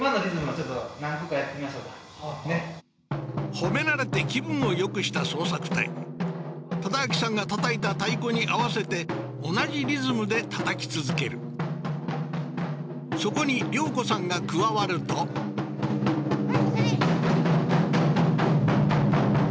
褒められて気分をよくした捜索隊忠明さんがたたいた太鼓に合わせて同じリズムでたたき続けるそこに良子さんが加わるとそれ！